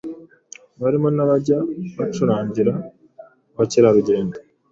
barimo n’abajya bacurangira abakerarugendo